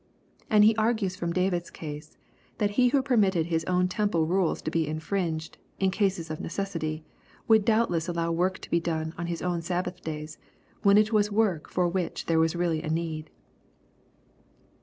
And He argues from David's case, that He who permitted His own temple rules to be infringed, in cases of necessity, would doubtless allow work to be done on His own Sabbath days, when it was work for which there was really a need.